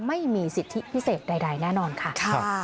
ไม่มีสิทธิพิเศษใดแน่นอนค่ะ